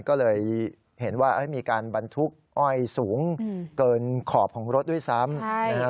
ก็เลยเห็นว่ามีการบรรทุกอ้อยสูงเกินขอบของรถด้วยซ้ำนะครับ